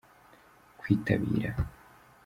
kwitabira.